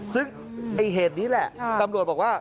ซึ่งไอ้เหตุนี้แหละตำรวจบอกว่า